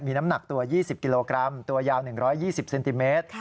มีน้ำหนักตัวยี่สิบกิโลกรัมตัวยาวหนึ่งร้อยยี่สิบเซนติเมตร